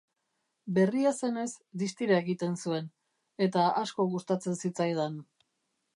Berria zenez, distira egiten zuen, eta asko gustatzen zitzaidan.